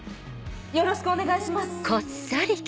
よろしくお願いします。